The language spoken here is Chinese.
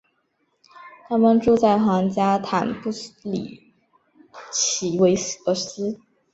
他们住在皇家坦布里奇韦尔斯。